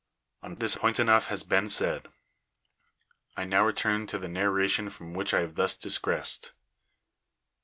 104 IS^US On this point enough has been said. I now return to the narration from which I have thus disgi'essed.